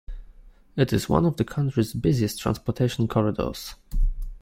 It is one of the country's busiest transportation corridors.